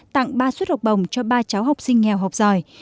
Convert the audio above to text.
tặng ba xuất học bồng cho ba cháu học sinh nghèo học giỏi